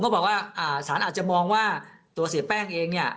บอกว่าสารอาจจะมองว่าตัวเสียแป้งเองเนี่ย